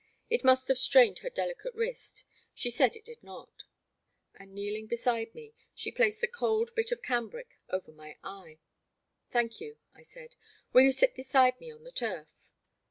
It must have strained her delicate wrist — she said it did not ; and, kneeling beside me, (( n The Black Water. 137 she placed the cold bit of cambric over my eye. Thank you,*' I said ;will you sit beside me on the turf?